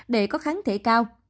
để có kháng thể cao